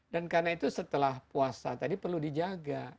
dan karena itu setelah puasa tadi perlu dijaga